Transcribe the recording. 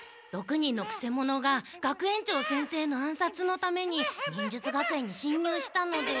６人のくせ者が学園長先生の暗殺のために忍術学園に侵入したので。